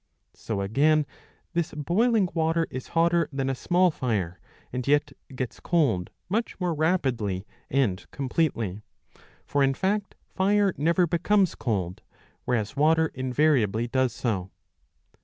So again this boiling water is hotter than a small fire, and yet gets cold much more rapidly and completely. For in fact fire never becomes cold ; whereas water invariably does so.